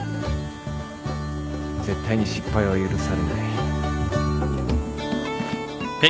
絶対に失敗は許されない。